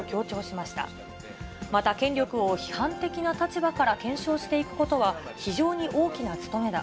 また権力を批判的な立場から検証していくことは、非常に大きな務めだ。